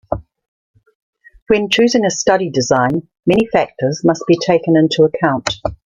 When choosing a study design, many factors must be taken into account.